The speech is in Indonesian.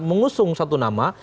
mengusung satu nama